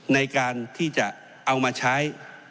ในการที่จะเอามาใช้